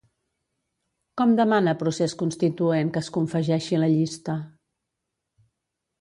Com demana Procés Constituent que es confegeixi la llista?